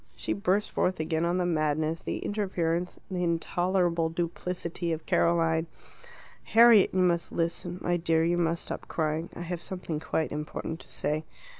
She burst forth again on the madness, the interference, the intolerable duplicity of Caroline. "Harriet, you must listen. My dear, you must stop crying. I have something quite important to say."